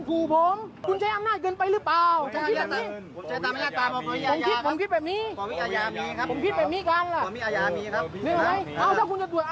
ตอนนี้มันข้ามกันต่อไปแล้วครับ